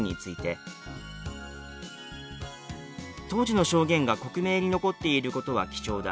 「当時の証言が克明に残っていることは貴重だ。